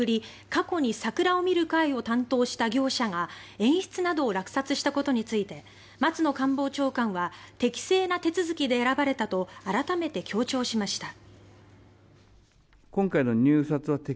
過去に桜を見る会を担当した業者が演出などを落札したことについて松野官房長官は適正な手続きで選ばれたと改めて強調しました。